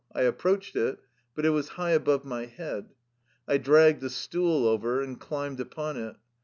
I approached it, but it was high above my head. I dragged the stool over and climbed upon it.